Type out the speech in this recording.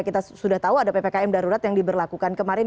kita sudah tahu ada ppkm darurat yang diberlakukan kemarin